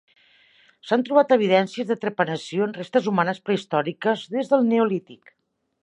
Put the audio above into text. S'han trobat evidències de trepanació en restes humanes prehistòriques des del neolític.